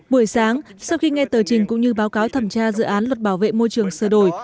buổi sáng sau khi nghe tờ trình cũng như báo cáo thẩm tra dự án luật bảo vệ môi trường sửa đổi